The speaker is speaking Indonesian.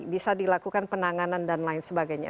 bisa dilakukan penanganan dan lain sebagainya